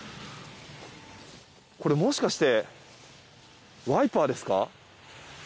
これ、もしかしてワイパーですか？